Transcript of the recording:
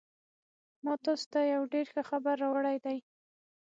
ما تاسو ته یو ډېر ښه خبر راوړی دی